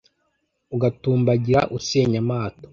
ugatumbagira usenya amato